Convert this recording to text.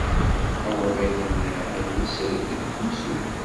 Amuḍin-nni atan yesred deg wusu.